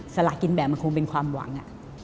สละกินแบบมันคงเป็นความหวัง